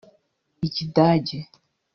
Ikidage